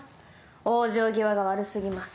往生際が悪すぎます